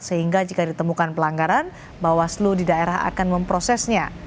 sehingga jika ditemukan pelanggaran bawaslu di daerah akan memprosesnya